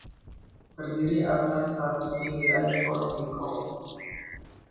Terdiri atas satu pinggiran - Port Lincoln.